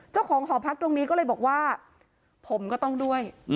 เจ้าของหอพักตรงนี้ก็เลยบอกว่าผมก็ต้องด้วยอืม